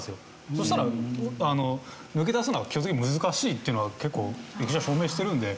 そしたら抜け出すのは基本的に難しいっていうのは結構歴史が証明してるんで。